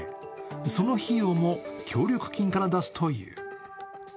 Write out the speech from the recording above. その費用も協力金から出すという。